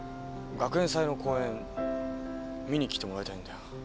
学園祭の公演見に来てもらいたいんだよ。